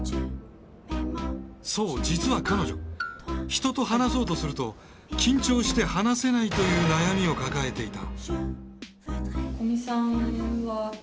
そう実は彼女人と話そうとすると緊張して話せないという悩みを抱えていた。